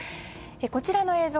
こちらの映像